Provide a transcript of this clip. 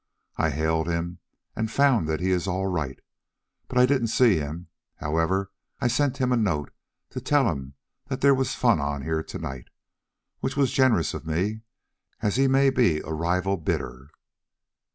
I hailed him and found that he is all right, but I didn't see him. However, I sent him a note to tell him that there was fun on here to night, which was generous of me, as he may be a rival bidder."